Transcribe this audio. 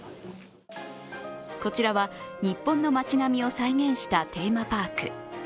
こちらは、日本の町並みを再現したテーマパーク。